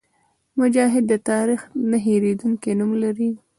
مجاهد د تاریخ نه هېرېدونکی نوم لري.